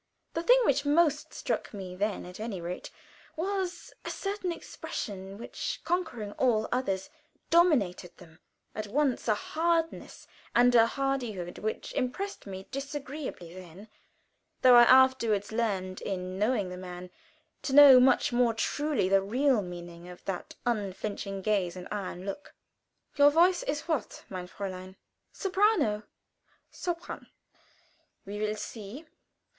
The thing which most struck me then, at any rate, was a certain expression which, conquering all others, dominated them at once a hardness and a hardihood which impressed me disagreeably then, though I afterward learned, in knowing the man, to know much more truly the real meaning of that unflinching gaze and iron look. "Your voice is what, mein Fräulein?" he asked. "Soprano." "Sopran? We will see.